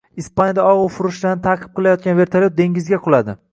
Ispaniyada og‘ufurushlarni ta'qib qilayotgan vertolyot dengizga quladi